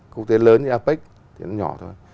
quốc tế lớn như apec thì nó nhỏ thôi